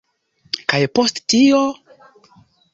Kaj post tio?